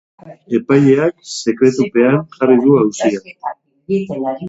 Epaileak sekretupean jarri du auzia.